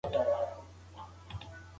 هغه د فاضله ښار نظر وړاندې کوي.